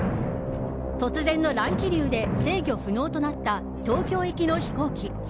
突然の乱気流で制御不能となった東京行きの飛行機。